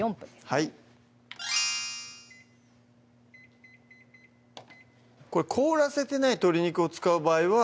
はい凍らせてない鶏肉を使う場合は？